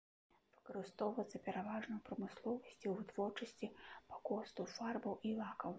Выкарыстоўваецца пераважна ў прамысловасці ў вытворчасці пакосту, фарбаў і лакаў.